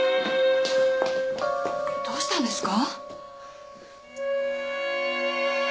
どうしたんですか？